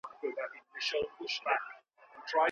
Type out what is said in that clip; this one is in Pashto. حقوقو پوهنځۍ له مشورې پرته نه اعلانیږي.